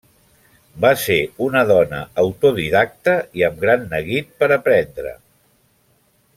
Va ser una dona autodidacta i amb gran neguit per aprendre.